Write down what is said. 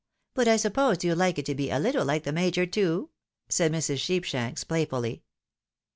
But I suppose you'd like it to be a little like the Major too?" said Mrs. Sheepshanks, playfully.